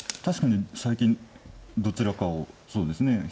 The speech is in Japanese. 確かに最近どちらかをそうですね。